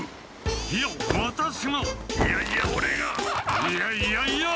いやいやいや！